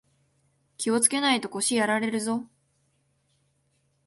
気をつけないと腰やられるぞ